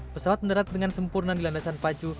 pesawat mendarat dengan sempurna di landasan pacu